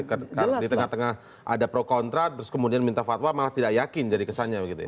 karena di tengah tengah ada pro kontra terus kemudian minta fatwa malah tidak yakin jadi kesannya begitu ya